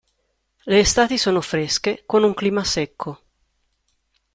Le estati sono fresche con un clima secco.